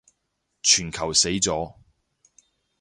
全球死咗